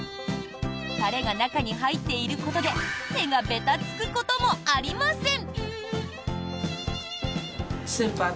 タレが中に入っていることで手がべたつくこともありません。